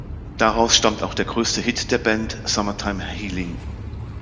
Daraus stammt auch der größte Hit der Band, "Summertime Healing".